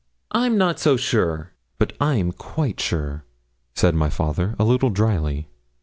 'I'm not so sure.' 'But I'm quite sure,' said my father, a little drily.